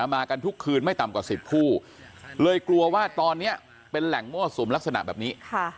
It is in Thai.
มากันทุกคืนไม่ต่ำกว่า๑๐คู่เลยกลัวว่าตอนนี้เป็นแหล่งมั่วสุมลักษณะแบบนี้